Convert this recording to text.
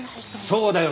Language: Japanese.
そうだよ。